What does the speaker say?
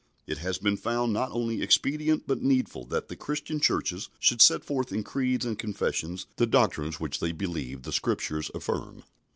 It has been found not only expedient but needful that the Christian Churches should set forth in creeds and confessions the doctrines which they believe the Scriptures affirm.